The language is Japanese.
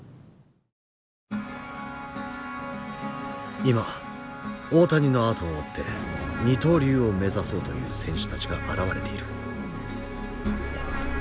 今大谷のあとを追って二刀流を目指そうという選手たちが現れている。